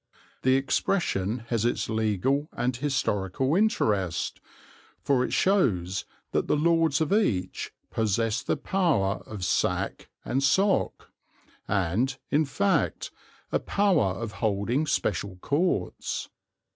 The expression has its legal and historical interest, for it shows that the lords of each possessed the power of "sac and soc," and, in fact, a power of holding special courts.